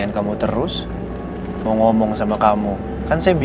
aku masih harus sembunyikan masalah lo andin dari mama